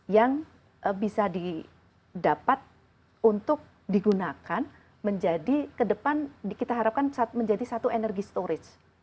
yang bisa didapat untuk digunakan menjadi ke depan kita harapkan menjadi satu energi storage